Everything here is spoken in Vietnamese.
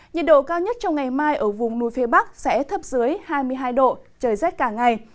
nhiệt độ cao nhất trong ngày mai ở vùng núi phía bắc sẽ thấp dưới hai mươi hai độ trời rét cả ngày